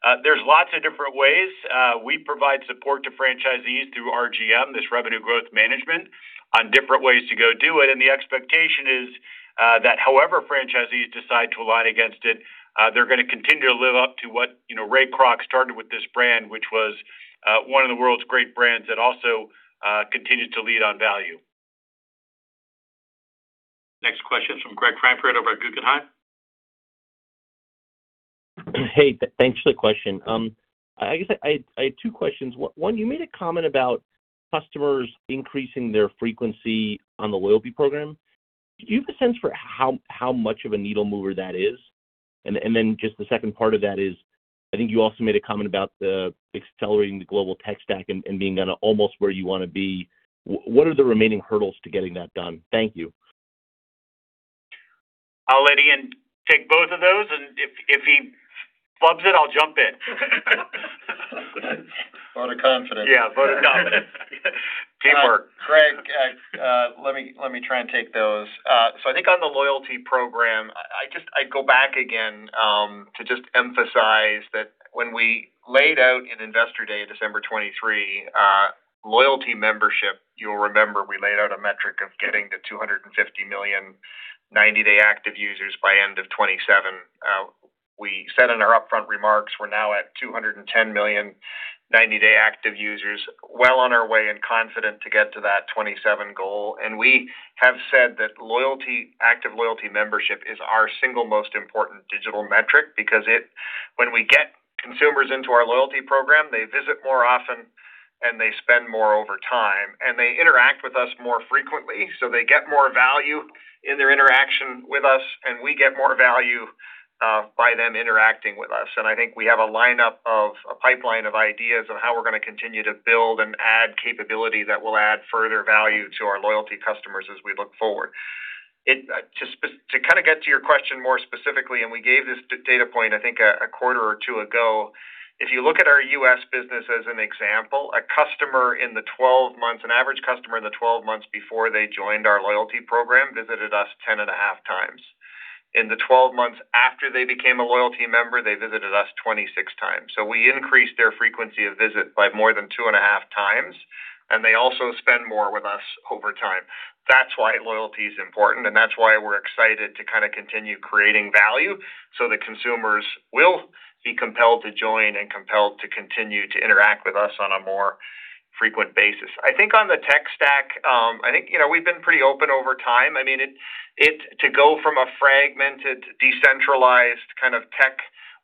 so there's lots of different ways. We provide support to franchisees through RGM, this Revenue Growth Management, on different ways to go do it. The expectation is that however franchisees decide to align against it, they're gonna continue to live up to what, you know, Ray Kroc started with this brand, which was one of the world's great brands that also continued to lead on value. Next question is from Greg Francfort over at Guggenheim. Hey, thanks for the question. I guess I had two questions. One, you made a comment about customers increasing their frequency on the loyalty program. Do you have a sense for how much of a needle mover that is? And then just the second part of that is, I think you also made a comment about the accelerating the global tech stack and being almost where you wanna be. What are the remaining hurdles to getting that done? Thank you. I'll let Ian take both of those, and if he flubs it, I'll jump in. Vote of confidence. Yeah, vote of confidence. Teamwork. Greg, let me try and take those. So I think on the loyalty program, I'd go back again.... to just emphasize that when we laid out in Investor Day, December 2023, loyalty membership, you'll remember, we laid out a metric of getting to 250 million ninety-day active users by end of 2027. We said in our upfront remarks, we're now at 210 million ninety-day active users, well on our way and confident to get to that 2027 goal. And we have said that loyalty, active loyalty membership is our single most important digital metric because it, when we get consumers into our loyalty program, they visit more often and they spend more over time, and they interact with us more frequently, so they get more value in their interaction with us, and we get more value by them interacting with us. And I think we have a lineup of a pipeline of ideas on how we're going to continue to build and add capability that will add further value to our loyalty customers as we look forward. It, to kind of get to your question more specifically, and we gave this data point, I think, a quarter or 2 ago. If you look at our U.S. business as an example, a customer in the 12 months—an average customer in the 12 months before they joined our loyalty program, visited us 10.5 times. In the 12 months after they became a loyalty member, they visited us 26 times. So we increased their frequency of visit by more than 2.5 times, and they also spend more with us over time. That's why loyalty is important, and that's why we're excited to kind of continue creating value so that consumers will be compelled to join and compelled to continue to interact with us on a more frequent basis. I think on the tech stack, I think, you know, we've been pretty open over time. I mean, to go from a fragmented, decentralized kind of tech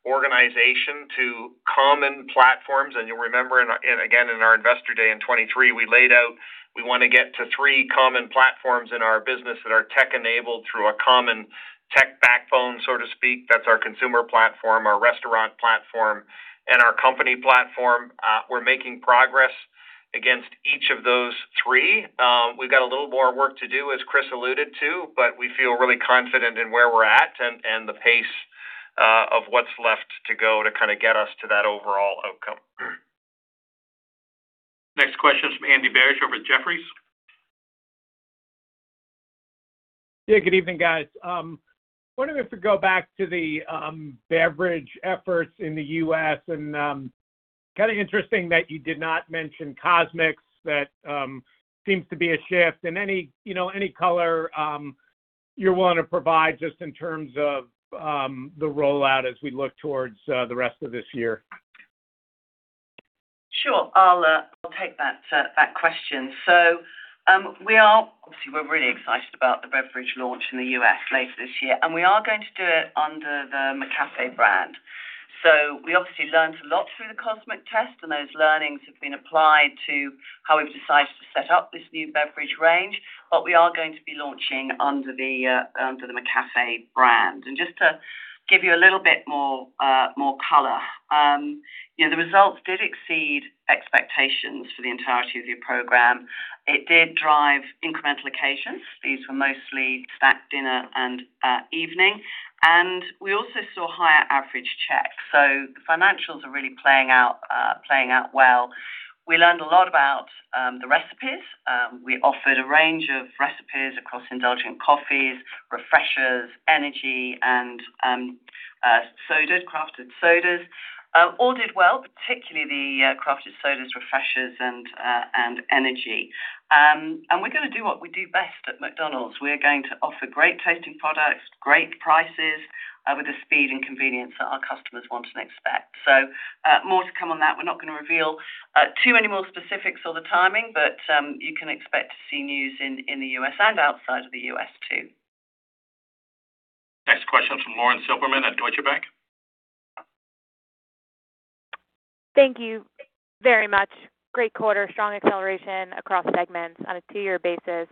organization to common platforms, and you'll remember in, again, in our Investor Day in 2023, we laid out, we want to get to three common platforms in our business that are tech-enabled through a common tech backbone, so to speak. That's our consumer platform, our restaurant platform, and our company platform. We're making progress against each of those three. We've got a little more work to do, as Chris alluded to, but we feel really confident in where we're at and, and the pace of what's left to go to kind of get us to that overall outcome. Next question is from Andy Barish over at Jefferies. Yeah, good evening, guys. Wondering if we go back to the beverage efforts in the U.S., and kind of interesting that you did not mention CosMc's. That seems to be a shift and any, you know, any color you're willing to provide just in terms of the rollout as we look towards the rest of this year. Sure. I'll, I'll take that, that question. So, we are obviously really excited about the beverage launch in the U.S. later this year, and we are going to do it under the McCafé brand. So we obviously learned a lot through the CosMc's test, and those learnings have been applied to how we've decided to set up this new beverage range, but we are going to be launching under the, under the McCafé brand. And just to give you a little bit more, more color, you know, the results did exceed expectations for the entirety of the program. It did drive incremental occasions. These were mostly snack, dinner, and evening, and we also saw higher average checks. So the financials are really playing out, playing out well. We learned a lot about the recipes. We offered a range of recipes across indulgent coffees, refreshers, energy, and sodas, crafted sodas. All did well, particularly the crafted sodas, refreshers, and energy. And we're going to do what we do best at McDonald's. We are going to offer great tasting products, great prices with the speed and convenience that our customers want and expect. So, more to come on that. We're not going to reveal too many more specifics or the timing, but you can expect to see news in the U.S. and outside of the U.S., too. Next question from Lauren Silberman at Deutsche Bank. Thank you very much. Great quarter, strong acceleration across segments on a two-year basis.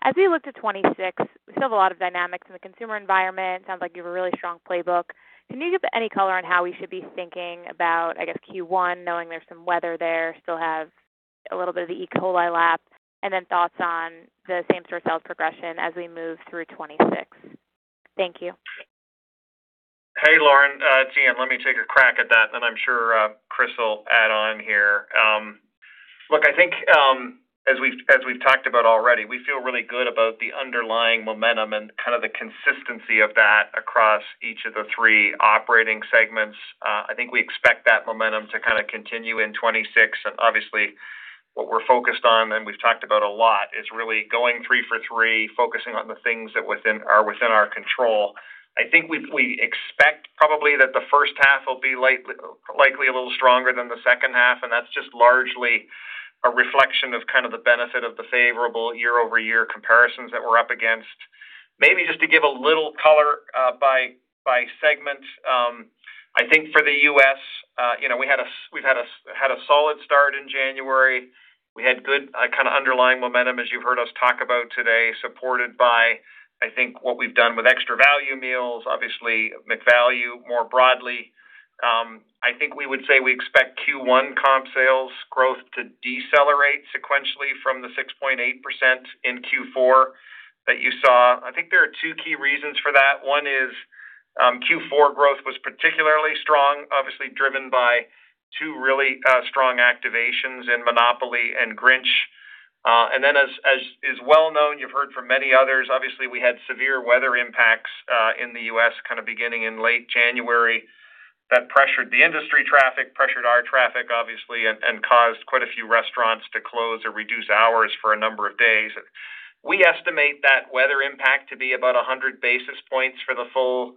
As we look to 2026, we still have a lot of dynamics in the consumer environment. Sounds like you have a really strong playbook. Can you give any color on how we should be thinking about, I guess, Q1, knowing there's some weather there, still have a little bit of the E. coli lap, and then thoughts on the same-store sales progression as we move through 2026? Thank you. Hey, Lauren, it's Ian. Let me take a crack at that, then I'm sure, Chris will add on here. Look, I think, as we've, as we've talked about already, we feel really good about the underlying momentum and kind of the consistency of that across each of the three operating segments. I think we expect that momentum to kind of continue in 2026. And obviously, what we're focused on, and we've talked about a lot, is really going three for three, focusing on the things that are within our control. I think we expect probably that the first half will be likely a little stronger than the second half, and that's just largely a reflection of kind of the benefit of the favorable year-over-year comparisons that we're up against. Maybe just to give a little color by segment. I think for the US, you know, we've had a solid start in January. We had good kind of underlying momentum, as you've heard us talk about today, supported by, I think, what we've done with Extra Value Meals, obviously, McValue, more broadly. I think we would say we expect Q1 comp sales growth to decelerate sequentially from the 6.8% in Q4 that you saw. I think there are two key reasons for that. One is Q4 growth was particularly strong, obviously driven by two really strong activations in Monopoly and Grinch. ... and then as is well known, you've heard from many others, obviously, we had severe weather impacts in the U.S., kind of beginning in late January, that pressured the industry traffic, pressured our traffic, obviously, and caused quite a few restaurants to close or reduce hours for a number of days. We estimate that weather impact to be about 100 basis points for the full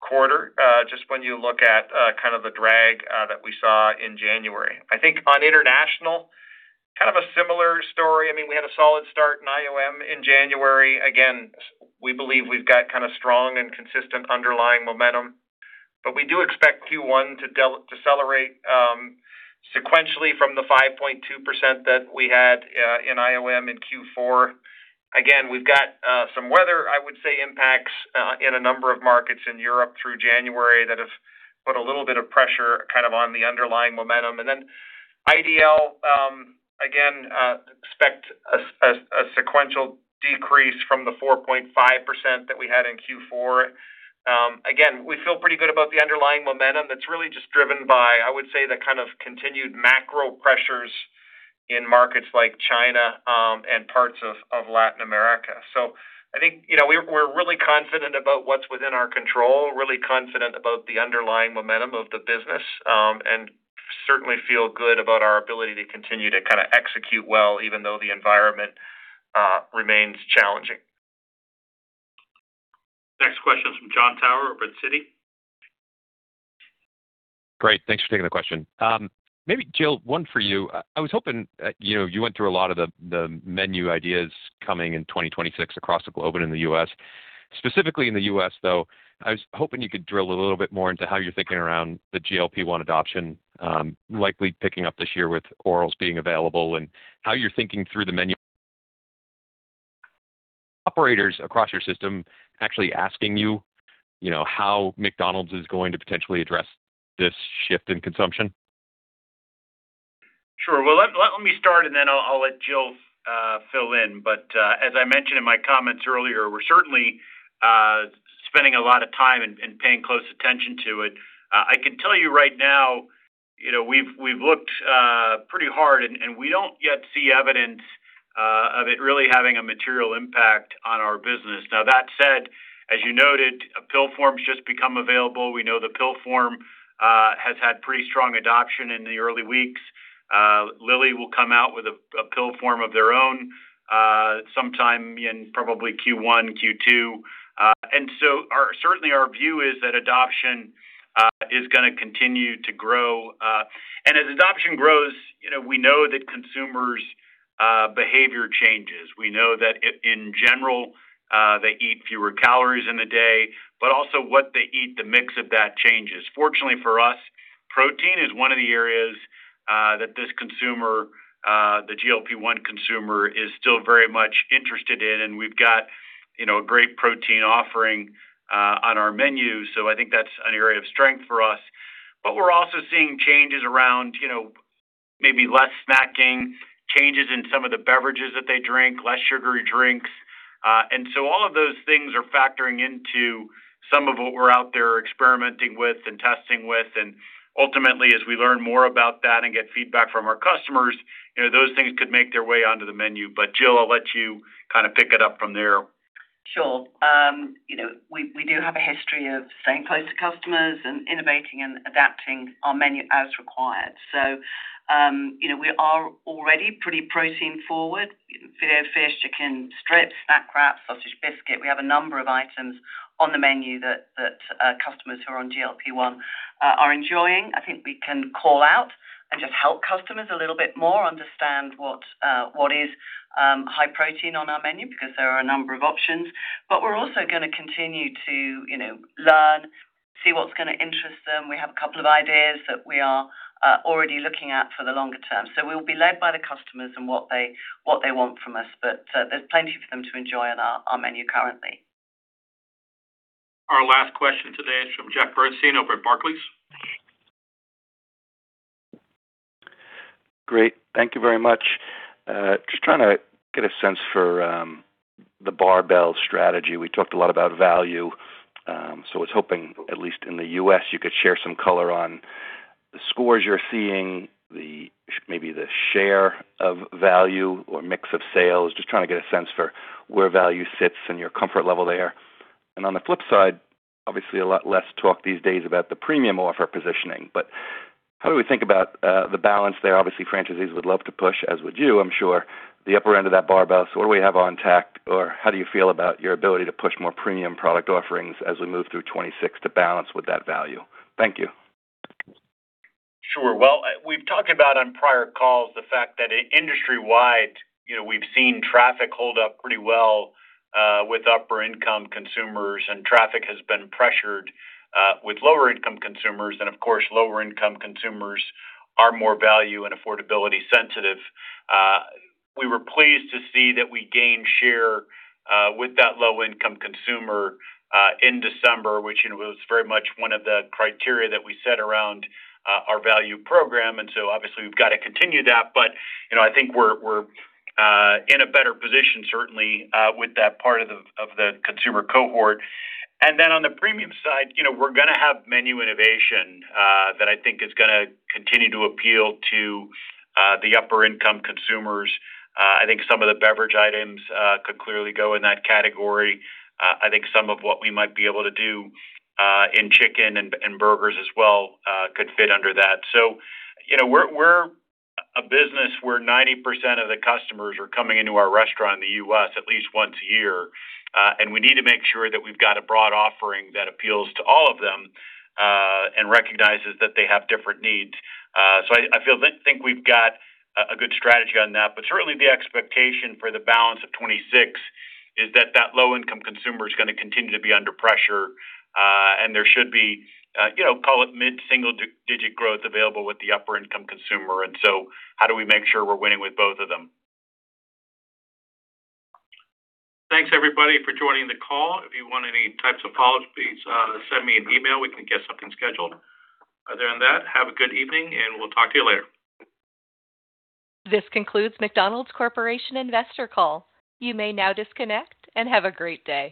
quarter, just when you look at kind of the drag that we saw in January. I think on international, kind of a similar story. I mean, we had a solid start in IOM in January. Again, we believe we've got kind of strong and consistent underlying momentum, but we do expect Q1 to decelerate sequentially from the 5.2% that we had in IOM in Q4. Again, we've got some weather, I would say, impacts in a number of markets in Europe through January that have put a little bit of pressure kind of on the underlying momentum. And then IDL, again, expect a sequential decrease from the 4.5% that we had in Q4. Again, we feel pretty good about the underlying momentum. That's really just driven by, I would say, the kind of continued macro pressures in markets like China, and parts of Latin America. So I think, you know, we're really confident about what's within our control, really confident about the underlying momentum of the business, and certainly feel good about our ability to continue to kinda execute well, even though the environment remains challenging. Next question is from John Tower over at Citi. Great. Thanks for taking the question. Maybe, Jill, one for you. I was hoping, you know, you went through a lot of the menu ideas coming in 2026 across the globe and in the U.S. Specifically in the U.S., though, I was hoping you could drill a little bit more into how you're thinking around the GLP-1 adoption, likely picking up this year with orals being available and how you're thinking through the menu. Operators across your system actually asking you, you know, how McDonald's is going to potentially address this shift in consumption? Sure. Well, let me start and then I'll let Jill fill in. But, as I mentioned in my comments earlier, we're certainly spending a lot of time and paying close attention to it. I can tell you right now, you know, we've looked pretty hard, and we don't yet see evidence of it really having a material impact on our business. Now, that said, as you noted, a pill form has just become available. We know the pill form has had pretty strong adoption in the early weeks. Lilly will come out with a pill form of their own sometime in probably Q1, Q2. And so, certainly our view is that adoption is gonna continue to grow. And as adoption grows, you know, we know that consumers' behavior changes. We know that in, in general, they eat fewer calories in the day, but also what they eat, the mix of that changes. Fortunately for us, protein is one of the areas that this consumer, the GLP-1 consumer, is still very much interested in, and we've got, you know, a great protein offering on our menu. So I think that's an area of strength for us. But we're also seeing changes around, you know, maybe less snacking, changes in some of the beverages that they drink, less sugary drinks. And so all of those things are factoring into some of what we're out there experimenting with and testing with. And ultimately, as we learn more about that and get feedback from our customers, you know, those things could make their way onto the menu. But, Jill, I'll let you kind of pick it up from there. Sure. You know, we, we do have a history of staying close to customers and innovating and adapting our menu as required. So, you know, we are already pretty protein forward. You know, fish, chicken strips, Snack Wraps, sausage biscuit. We have a number of items on the menu that, that, customers who are on GLP-1 are enjoying. I think we can call out and just help customers a little bit more understand what, what is high protein on our menu, because there are a number of options. But we're also gonna continue to, you know, learn, see what's gonna interest them. We have a couple of ideas that we are already looking at for the longer term. So we'll be led by the customers and what they want from us, but there's plenty for them to enjoy on our menu currently. Our last question today is from Jeff Bernstein over at Barclays. Great. Thank you very much. Just trying to get a sense for the barbell strategy. We talked a lot about value, so I was hoping, at least in the US, you could share some color on the scores you're seeing, the maybe the share of value or mix of sales. Just trying to get a sense for where value sits and your comfort level there. And on the flip side, obviously, a lot less talk these days about the premium offer positioning, but how do we think about the balance there? Obviously, franchisees would love to push, as would you, I'm sure, the upper end of that barbell. So what do we have on tap, or how do you feel about your ability to push more premium product offerings as we move through 2026 to balance with that value? Thank you. Sure. Well, we've talked about on prior calls the fact that industry-wide, you know, we've seen traffic hold up pretty well, with upper-income consumers, and traffic has been pressured, with lower-income consumers. Of course, lower-income consumers are more value and affordability sensitive. We were pleased to see that we gained share, with that low-income consumer, in December, which, you know, was very much one of the criteria that we set around, our value program. So obviously, we've got to continue that. But, you know, I think we're in a better position, certainly, with that part of the consumer cohort. Then on the premium side, you know, we're gonna have menu innovation, that I think is gonna continue to appeal to, the upper-income consumers. I think some of the beverage items could clearly go in that category. I think some of what we might be able to do in chicken and burgers as well could fit under that. So you know, we're a business where 90% of the customers are coming into our restaurant in the US at least once a year, and we need to make sure that we've got a broad offering that appeals to all of them and recognizes that they have different needs. So I think we've got a good strategy on that, but certainly, the expectation for the balance of 2026 is that the low-income consumer is gonna continue to be under pressure, and there should be, you know, call it mid-single-digit growth available with the upper-income consumer. How do we make sure we're winning with both of them? Thanks, everybody, for joining the call. If you want any types of follow-ups, please send me an email. We can get something scheduled. Other than that, have a good evening, and we'll talk to you later. This concludes McDonald's Corporation investor call. You may now disconnect and have a great day.